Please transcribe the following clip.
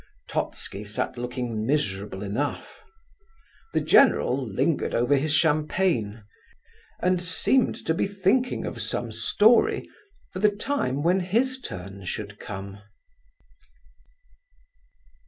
Totski sat looking miserable enough. The general lingered over his champagne, and seemed to be thinking of some story for the time when his turn should come.